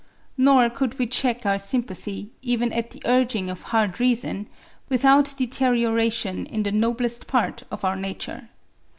Nor could we check our sympathy, even at the urging of hard reason, without deterioration in the noblest part of our nature.